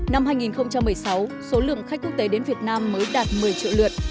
năm hai nghìn một mươi sáu số lượng khách quốc tế đến việt nam mới đạt một mươi triệu lượt